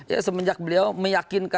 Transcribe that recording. ya semenjak beliau meyakinkan